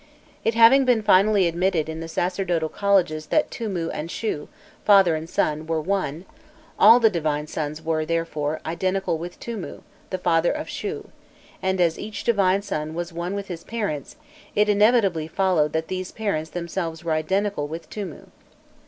It having been finally admitted in the sacerdotal colleges that Tûmû and Shû, father and son, were one, all the divine sons were, therefore, identical with Tûmû, the father of Shû, and as each divine son was one with his parents, it inevitably followed that these parents themselves were identical with Tûmû.